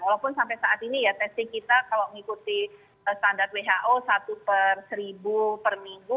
walaupun sampai saat ini ya testing kita kalau mengikuti standar who satu per seribu per minggu